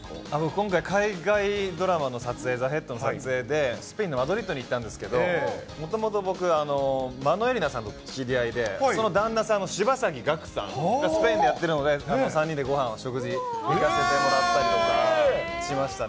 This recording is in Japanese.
今回、海外ドラマの撮影、ＴＨＥＨＥＡＤの撮影で、スペインのマドリードに行ったんですけど、もともと僕、真野恵里菜さんと知り合いで、その旦那さんの柴崎岳さんがスペインでやってるので、３人でごはん、食事を行かせてもらったりとかしましたね。